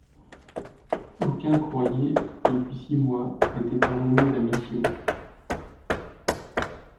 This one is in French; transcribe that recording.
Aucun courrier, depuis six mois, n’était parvenu à la mission.